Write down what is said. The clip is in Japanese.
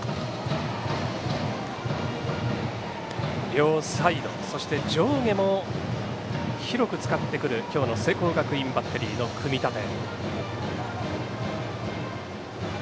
両サイドそして上下も広く使ってくる今日の聖光学院バッテリーの組み立て。